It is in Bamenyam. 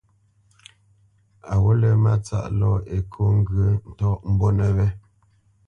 A ghǔt lə́ Mátsáʼ lɔ Ekô ŋgyə̌ ntɔ́ʼmbónə̄ wé.